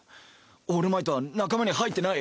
オールマイトは仲間に入ってない。